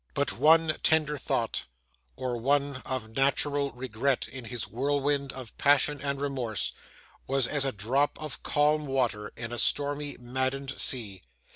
But one tender thought, or one of natural regret, in his whirlwind of passion and remorse, was as a drop of calm water in a stormy maddened sea.